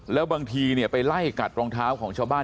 แล้วบางทีไปไล่กัดรองเท้าของชาวบ้าน